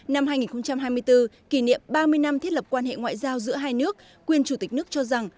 năm hai nghìn hai mươi bốn kỷ niệm ba mươi năm thiết lập quan hệ ngoại giao giữa hai nước quyên chủ tịch nước cho rằng